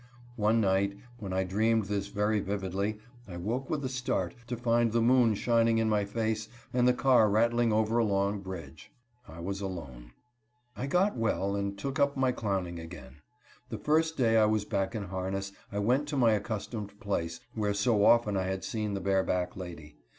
One night, when I dreamed this very vividly, I woke with a start to find the moon shining in my face, and the car rattling over a long bridge. I was alone. I got well, and took up my clowning again. The first day I was back in harness I went to my accustomed place, where so often I had seen the bareback lady.